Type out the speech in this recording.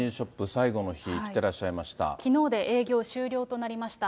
最後の日、来てらっしきのうで営業終了となりました。